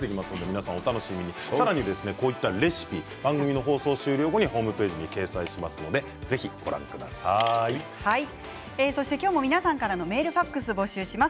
さらにこういったレシピ番組の放送終了後にホームページに掲載しますので今日も皆さんからのメールファックス募集します。